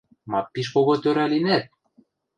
— Ма пиш кого тӧрӓ линӓт?!